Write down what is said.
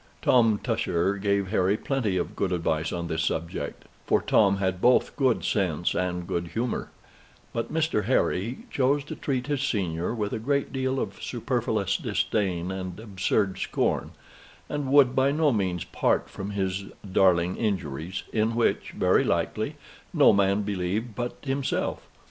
Tom Tusher gave Harry plenty of good advice on this subject, for Tom had both good sense and good humor; but Mr. Harry chose to treat his senior with a great deal of superfluous disdain and absurd scorn, and would by no means part from his darling injuries, in which, very likely, no man believed but himself.